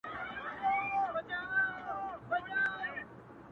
تښتي خوب له شپو څخه- ورځي لکه کال اوږدې-